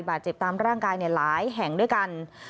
บาดเจ็บตามร่างกายหลายแห่งด้วยกัน